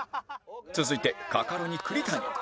続いてカカロニ栗谷